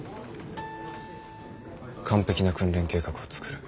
完璧な訓練計画を作る。